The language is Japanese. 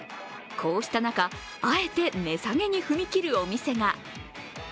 こうした中あえて値下げに踏み切るお店が。